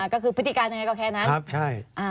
ก็คือพฤติการยังไงก็แค่นั้นอ่าแล้วทางครับใช่